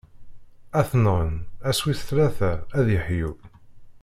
Ad t-nɣen, ass wis tlata, ad d-iḥyu.